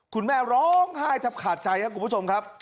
คุณแม่ร้องไห้แทบขาดใจครับคุณผู้ชมครับ